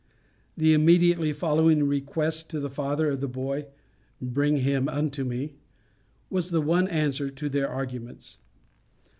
The immediately following request to the father of the boy, "Bring him unto me," was the one answer to their arguments.